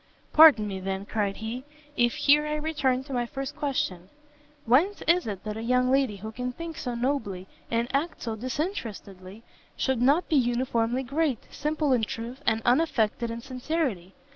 "Pardon me, then," cried he, "if here I return to my first question: whence is it that a young lady who can think so nobly, and act so disinterestedly, should not be uniformly great, simple in truth, and unaffected in sincerity?